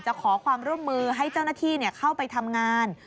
ขอความร่วมมือให้เจ้าหน้าที่เข้าไปทำงาน